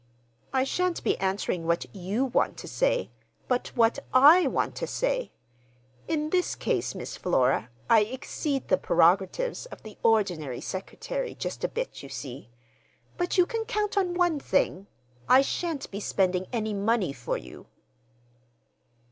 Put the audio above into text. "I shan't be answering what you want to say—but what I want to say. In this case, Miss Flora, I exceed the prerogatives of the ordinary secretary just a bit, you see. But you can count on one thing—I shan't be spending any money for you."